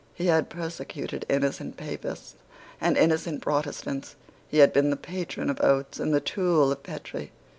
He had persecuted innocent Papists and innocent Protestants. He had been the patron of Oates and the tool of Petre.